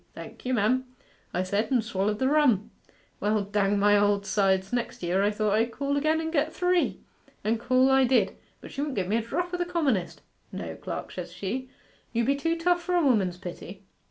"Thank you, mem," I said, and swallered the rum. Well, dang my old sides, next year I thought I'd call again and get three. And call I did. But she wouldn't give me a drop o' the commonest. "No, clerk," says she, "you be too tough for a woman's pity."...